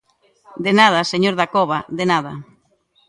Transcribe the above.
¡De nada, señor Dacova, de nada!